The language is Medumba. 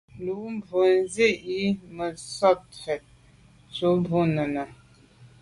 Lo’ mbwe nse’ yi me sote mfèt tô bo nène.